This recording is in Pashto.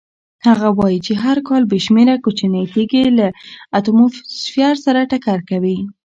هغه وایي چې هر کال بې شمېره کوچنۍ تېږې له اتموسفیر سره ټکر کوي.